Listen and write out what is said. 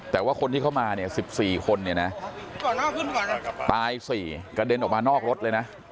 แต่ว่าคนที่เข้ามา๑๔คนตาย๔กระเด็นออกมานอกรถเลยนะ